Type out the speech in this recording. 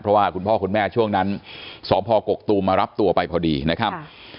เพราะว่าคุณพ่อคุณแม่ช่วงนั้นสพกกตูมมารับตัวไปพอดีนะครับ